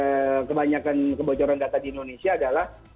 yang tidak dilakukan oleh kebanyakan kebocoran data di indonesia adalah